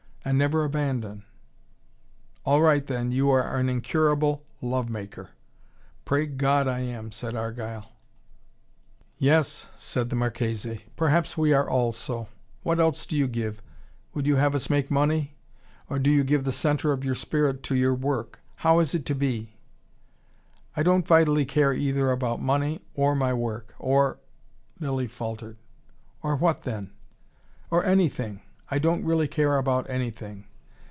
And never abandon." "All right, then, you are an incurable love maker." "Pray God I am," said Argyle. "Yes," said the Marchese. "Perhaps we are all so. What else do you give? Would you have us make money? Or do you give the centre of your spirit to your work? How is it to be?" "I don't vitally care either about money or my work or " Lilly faltered. "Or what, then?" "Or anything. I don't really care about anything.